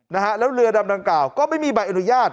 นะฮะแล้วเรือดำดังกล่าวก็ไม่มีใบอนุญาต